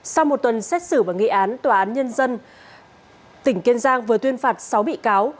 sau một tuần xét xử và nghị án tòa án nhân dân tỉnh kiên giang vừa tuyên phạt sáu bị cáo